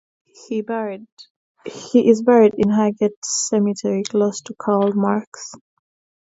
He is buried in Highgate Cemetery, close to Karl Marx.